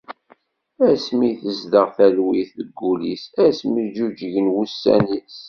Asmi i tezdeɣ talwit deg wul-is, asmi ğğuğğgen wussan-is.